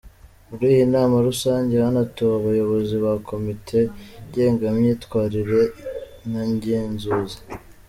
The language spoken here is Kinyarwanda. Muri iyi nama rusange hanatowe abayobozi ba komite ngengamyitwarire na ngenzuzi.